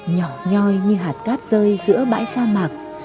nhỏ nhoi như hạt cát rơi giữa bãi sa mạc